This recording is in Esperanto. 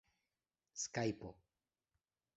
skajpo